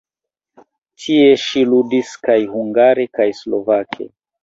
Tie ŝi ludis kaj hungare kaj slovake.